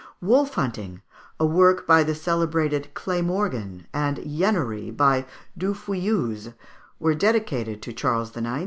"Wolf hunting," a work by the celebrated Clamorgan, and "Yenery," by Du Fouilloux, were dedicated to Charles IX.